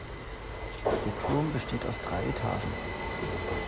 Der Turm besteht aus drei Etagen.